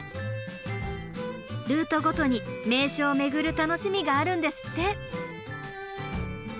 ルートごとに名所を巡る楽しみがあるんですって。